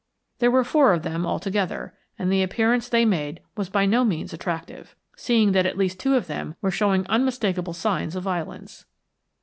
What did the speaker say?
There were four of them altogether, and the appearance they made was by no means attractive, seeing that two at least of them were showing unmistakable signs of violence.